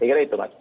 saya kira itu mas